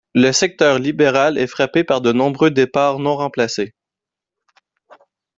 Le secteur libéral est frappé par de nombreux départs non remplacés.